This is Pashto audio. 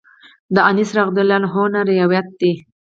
د انس رضی الله عنه نه روايت دی: